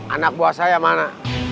anak buah saya mana